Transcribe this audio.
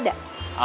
orangnya udah ada